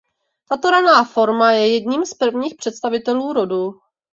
Tato raná forma je jedním z prvních představitelů rodu.